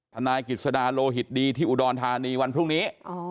นายกิจสดาโลหิตดีที่อุดรธานีวันพรุ่งนี้